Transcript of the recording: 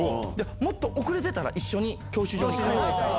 もっと遅れてたら一緒に教習所に行けた。